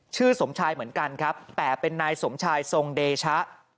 สมชายเหมือนกันครับแต่เป็นนายสมชายทรงเดชะ